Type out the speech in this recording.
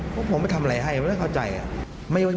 ผมไม่ทำอะไรให้เขาจะไม่เข้าใจ